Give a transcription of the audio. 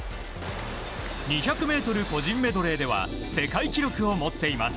２００ｍ個人メドレーでは世界記録を持っています。